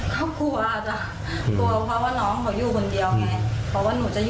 ก็กลัวจ้ะ